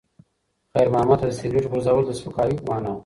خیر محمد ته د سګرټ غورځول د سپکاوي په مانا و.